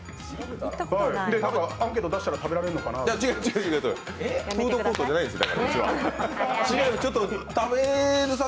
アンケート出したら食べられるのかなと思って。